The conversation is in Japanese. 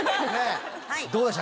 どうでした？